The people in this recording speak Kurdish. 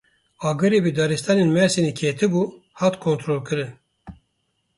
Agirê bi daristanên Mêrsînê ketibû, hat kontrolkirin.